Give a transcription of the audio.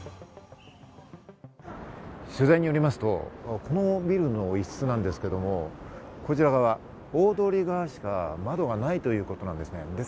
取材によりますと、このビルの一室なんですけど、こちら側、大通り側にしか窓がないということなんです。